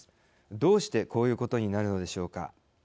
どうしてこういうことになるのでしょうか。